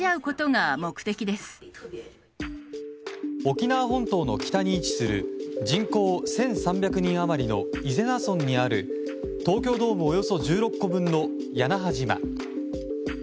沖縄本島の北に位置する人口１３００人余りの伊是名村にある、東京ドームおよそ１６個分の屋那覇島。